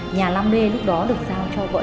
nhà năm d lúc đó được giao cho bắc kỳ